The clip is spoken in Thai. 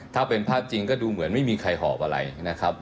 ถ้าเป็นภาพจริงก็ดูเหมือนไม่มีใครหอบอะไรนะครับ